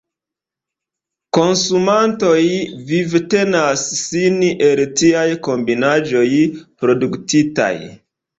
Konsumantoj vivtenas sin el tiaj kombinaĵoj produktitaj.